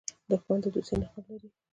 دښمن د دوستۍ نقاب لري